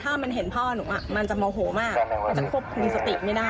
ถ้ามันเห็นพ่อหนูมันจะโมโหมากมันจะควบคุมสติไม่ได้